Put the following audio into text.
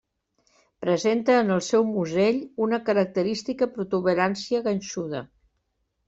Presenta en el seu musell una característica protuberància ganxuda.